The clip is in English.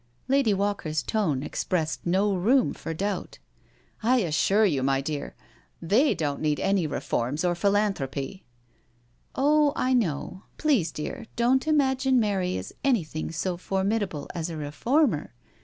Lady Walker's tone expressed no room for doubt. '* I assure you, my dear, they don't need any reforms or. philan thropy." '* Oh, I know— please, dear, don't imagine Mary is anything so formidable as a reformer.